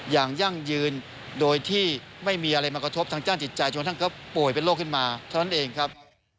ยั่งยืนโดยที่ไม่มีอะไรมากระทบทางด้านจิตใจจนท่านก็ป่วยเป็นโรคขึ้นมาเท่านั้นเองครับ